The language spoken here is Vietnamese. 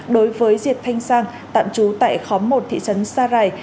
đối với diệt thanh sang tạm trú tại khóm một thị trấn sa rài